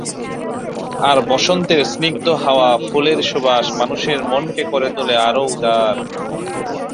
আর বসন্তের স্নিগ্ধ হাওয়া, ফুলের সুবাস মানুষের মনকে করে তুলে আরও উদার।